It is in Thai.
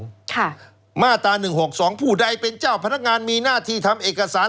ค่ะมาตราหนึ่งหกสองผู้ใดเป็นเจ้าพนักงานมีหน้าที่ทำเอกสาร